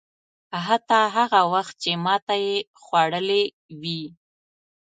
حتی هغه وخت چې ماته یې خوړلې وي.